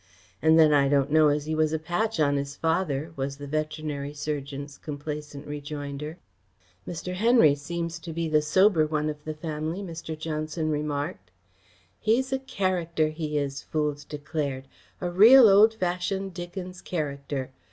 "And then I don't know as he was a patch on his father," was the veterinary surgeon's complacent rejoinder. "Mr. Henry seems to be the sober one of the family," Mr. Johnson remarked. "He's a character, he is," Foulds declared. "A real, old fashioned, Dickens character.